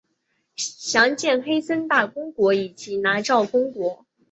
详见黑森大公国以及拿绍公国。